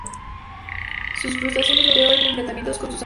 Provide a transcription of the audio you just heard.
Sus frustraciones goteo en enfrentamientos con sus amigos, Lewis y Ted.